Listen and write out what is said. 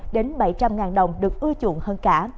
đến bảy trăm linh đồng được ưa chuộng hơn cả